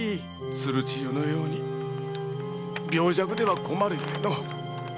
鶴千代のように病弱では困るゆえの。